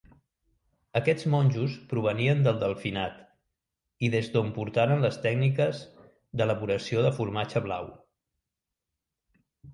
Aquests monjos provenien del Delfinat i des d'on portaren les tècniques d'elaboració de formatge blau.